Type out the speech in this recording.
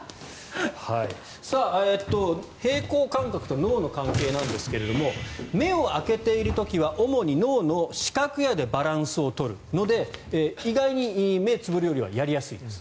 平衡感覚と脳の関係なんですが目を開けているときは主に脳の視覚野でバランスを取るので意外に目をつぶるよりはやりやすいです。